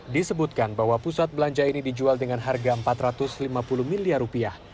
disebutkan bahwa pusat belanja ini dijual dengan harga empat ratus lima puluh miliar rupiah